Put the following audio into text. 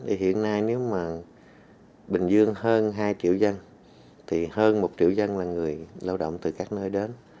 thì hiện nay nếu mà bình dương hơn hai triệu dân thì hơn một triệu dân là người lao động từ các nơi đến